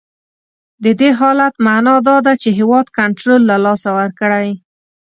د دې حالت معنا دا ده چې هیواد کنټرول له لاسه ورکړی.